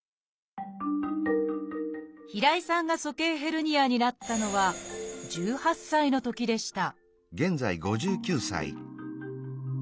平井さんが鼠径ヘルニアになったのは１８歳のときでした